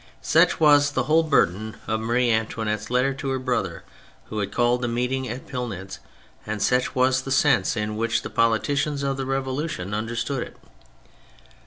Such was the whole burden of Marie Antoinette's letters to her brother (who had called the meeting at Pillnitz), and such was the sense in which the politicians of the Revolution understood it.